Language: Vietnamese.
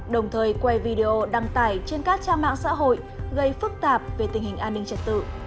đồng thời quay video đăng tải trên các trang mạng xã hội gây phức tạp về tình hình an ninh trật tự